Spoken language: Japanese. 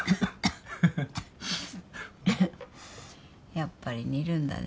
やっぱり似るんだね。